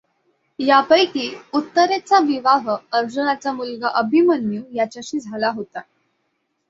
यापैकी उत्तरेचा विवाह अर्जुनाचा मुलगा अभिमन्यू याच्याशी झाला होता.